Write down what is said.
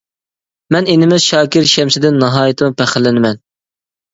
مەن ئىنىمىز شاكىر شەمشىدىن ناھايىتىمۇ پەخىرلىنىمەن.